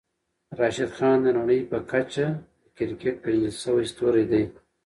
راشدخان د نړۍ په کچه د کريکيټ پېژندل شوی ستوری دی.